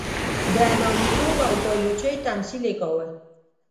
د نامیتوب او پایلوچۍ تمثیل یې کاوه.